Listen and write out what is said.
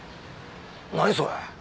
何それ？